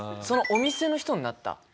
そのお店の人になった？